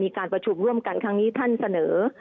การประชุมร่วมกันครั้งนี้ท่านเสนอ